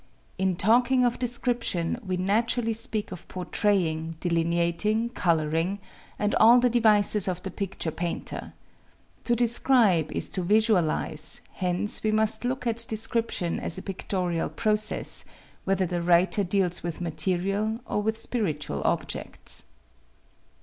"In talking of description we naturally speak of portraying, delineating, coloring, and all the devices of the picture painter. To describe is to visualize, hence we must look at description as a pictorial process, whether the writer deals with material or with spiritual objects."